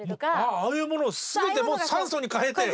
ああいうものを全て酸素に変えて。